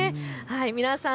皆さん